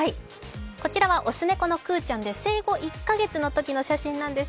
こちらは雄猫のくうちゃんで、生後１か月のときの写真です。